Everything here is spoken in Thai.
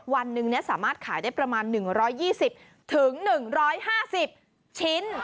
วันหนึ่งสามารถขายได้ประมาณ๑๒๐๑๕๐ชิ้น